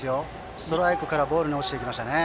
ストライクからボールに落ちていきましたね。